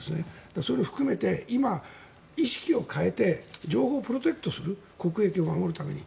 それを含めて今、意識を変えて情報をプロテクトする国益を守るために。